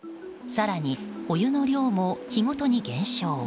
更に、お湯の量も日ごとに減少。